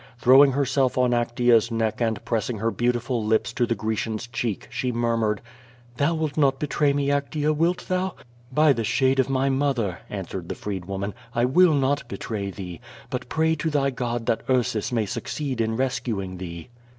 Throwing herself on Actea's neck and pressing her beautiful lips to the Grecian's cheek, she munnured: QUO VAD18. 77 Thou wilt not betray me, Actea, wilt thou?" "By the shade of my mother," answered the freedwoman, "I will not betray thee. But pray to thy God that Ursus may succeed in rescuing thee."